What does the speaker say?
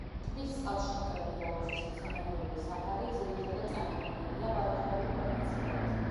ტბის წყალშემკრები აუზის მცენარეული საფარი ძირითადად წარმოდგენილია ბალახეული ფორმაციებით.